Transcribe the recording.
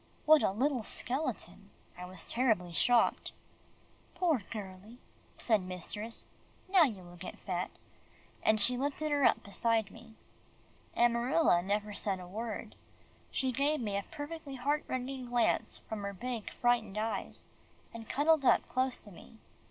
What a little skeleton! I was terribly shocked. "Poor girlie," said mistress, "now you will get fat," and she lifted her up beside me. Amarilla never said a word. She gave me a perfectly heart rending glance from her big frightened eyes, and cuddled up close to me.